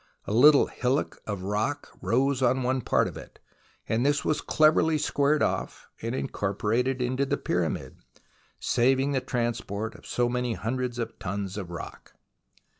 A little hillock of rock rose on one part of it, and this was cleverly squared off and incorporated into the Pyramid, saving the transport of so many hundreds of tons of rock.